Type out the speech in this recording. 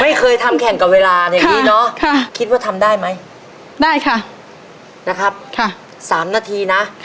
ไม่เคยทำแข่งกับเวลาอย่างนี้เนาะคิดว่าทำได้ไหมได้ค่ะนะครับ๓นาทีนะ